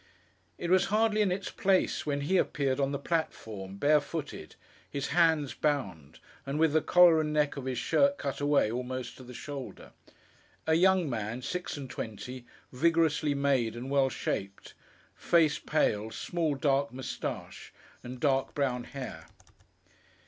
It was hardly in its place, when he appeared on the platform, bare footed; his hands bound; and with the collar and neck of his shirt cut away, almost to the shoulder. A young man—six and twenty—vigorously made, and well shaped. Face pale; small dark moustache; and dark brown hair.